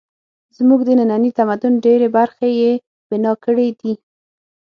زموږ د ننني تمدن ډېرې برخې یې بنا کړې دي.